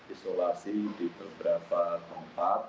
isolasi di beberapa tempat